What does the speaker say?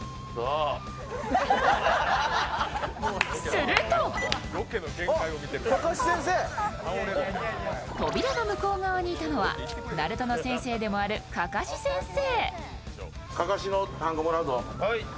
すると扉の向こう側にいたのはナルトの先生でもあるカカシ先生。